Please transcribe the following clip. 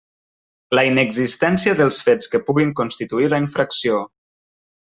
La inexistència dels fets que puguin constituir la infracció.